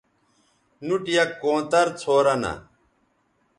نُوٹ یک کونتر څھورہ نہ